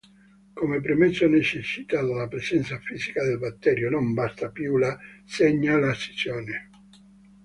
Come premesso necessita della presenza fisica del batterio, non basta più la segnalazione.